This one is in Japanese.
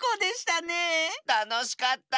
たのしかった。